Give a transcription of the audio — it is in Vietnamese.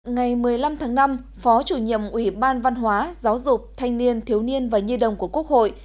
ngày một mươi năm tháng năm phó chủ nhiệm ủy ban văn hóa giáo dục thanh niên thiếu niên và nhi đồng của quốc hội